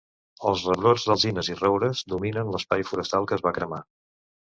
Els rebrots d'alzines i roures dominen l'espai forestal que es va cremar.